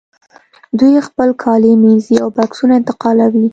دوی خپل کالي مینځي او بکسونه انتقالوي